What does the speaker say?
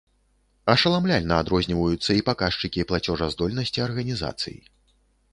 Ашаламляльна адрозніваюцца і паказчыкі плацежаздольнасці арганізацый.